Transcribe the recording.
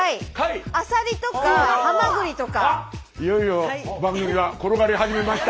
いよいよ番組が転がり始めました。